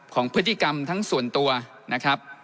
ของพฤติกรรมทั้งส่วนตัวนะครับ